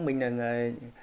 mình là người